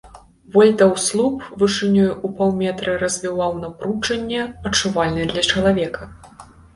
Вольтаў слуп вышынёю ў паўметра развіваў напружанне, адчувальнае для чалавека.